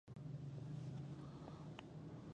تاریخ د هغو خلکو نومونه لري چې ورڅخه هېر شوي.